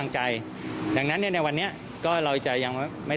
ซึ่งจริงประเด็นที่เกิดขึ้นมันก็คือก่อนหน้านี้ถ้าจำกันได้